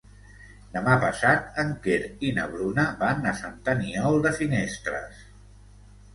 Demà passat en Quer i na Bruna van a Sant Aniol de Finestres.